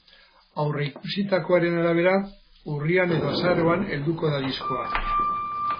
Aurreikusitakoaren arabera, urrian edo azaroan helduko da diskoa.